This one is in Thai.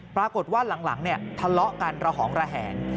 ปรากฏว่าหลังทะเลาะกันระหองระแหง